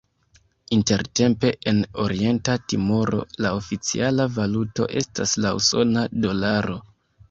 Intertempe en Orienta Timoro la oficiala valuto estas la usona dolaro.